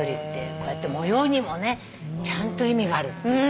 こうやって模様にもねちゃんと意味があるって。